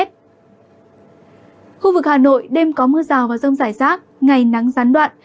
khu vực hà nội đêm có mưa rào và rông rải rác ngày nắng gián đoạn